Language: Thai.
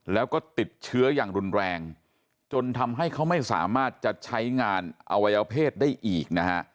แล้วก็ติดเชื้ออย่างรุนแรงจนทำให้เขาไม่สามารถจะใช้งานอวัยวเพศได้อีกนะฮะ